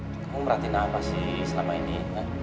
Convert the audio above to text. kamu memperhatiin apa sih selama ini